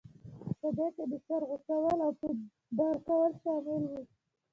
په دې کې د سر غوڅول او په دار کول شامل وو.